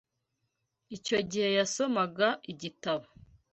Icyo gihe yasomaga igitabo.